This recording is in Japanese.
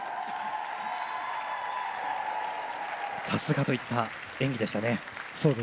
さすがといった演技でしたね。